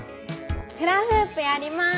フラフープやります！